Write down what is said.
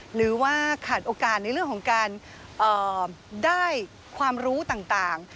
หรือว่าขาดโอกาสในเรื่องของการได้ความรู้ต่าง